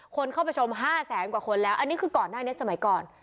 คนเข้าไปชม๕แสนกว่าคนแล้วอันนี้คือก่อนหน้านี้สมัยก่อน